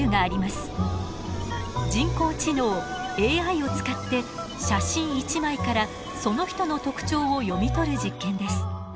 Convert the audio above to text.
人工知能ＡＩを使って写真一枚からその人の特徴を読み取る実験です。